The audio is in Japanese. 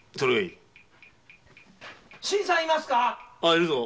いるぞ。